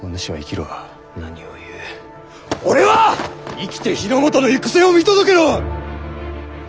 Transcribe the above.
生きて日の本の行く末を見届けろ！